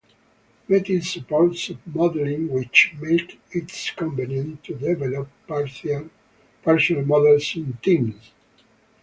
Metis supports sub-modeling, which makes it convenient to develop partial models in teams.